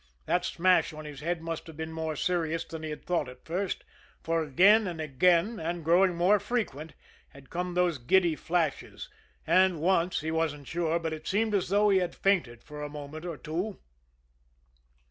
That smash on his head must have been more serious than he had thought at first; for, again and again, and growing more frequent, had come those giddy flashes, and once, he wasn't sure, but it seemed as though he had fainted for a moment or two.